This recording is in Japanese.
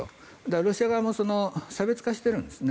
ロシア側も差別化してるんですね